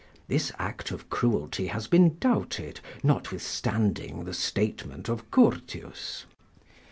This act of cruelty has been doubted, notwithstanding the statement of Curtius.